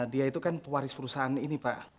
dia itu kan pewaris perusahaan ini pak